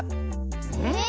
えっ？